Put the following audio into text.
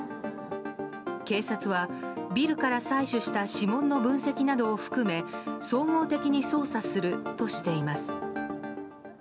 警察は、ビルから採取した指紋の分析などを含め総合的に捜査するとしています。